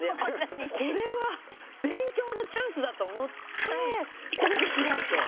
これは勉強のチャンスだと思ってそれで開いて。